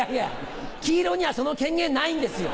黄色にはその権限ないんですよ。